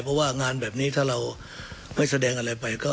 เพราะว่างานแบบนี้ถ้าเราไม่แสดงอะไรไปก็